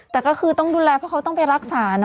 แต่ก็คือต้องดูแลเพราะเขาต้องไปรักษานะ